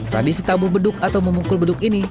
tradisi tabuh beduk atau memukul beduk ini